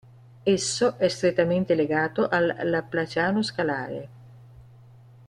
Esso è strettamente legato al laplaciano scalare.